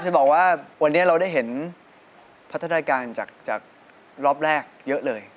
จะบอกว่าวันนี้เราได้เห็นพัฒนาการจากรอบแรกเยอะเลย